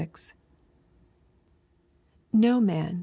88 No man, wl.